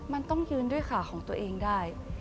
มันต้องยืนด้วยขาของตัวเองได้